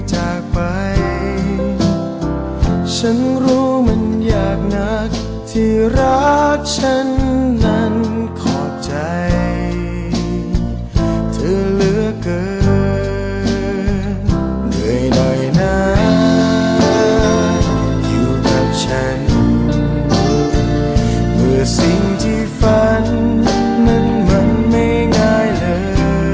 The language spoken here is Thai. เหนื่อยหน่อยนะอยู่กับฉันเพื่อสิ่งที่ฝันนั้นมันไม่ง่ายเลย